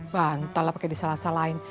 bantal lah pake disalah salahin